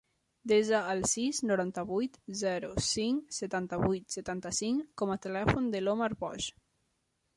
Desa el sis, noranta-vuit, zero, cinc, setanta-vuit, setanta-cinc com a telèfon de l'Omar Boj.